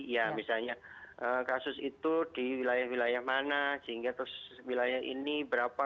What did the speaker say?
ya misalnya kasus itu di wilayah wilayah mana sehingga terus wilayah ini berapa